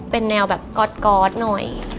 เป็นแนวแบบก๊อตหน่อย